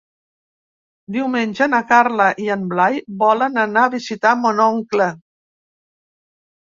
Diumenge na Carla i en Blai volen anar a visitar mon oncle.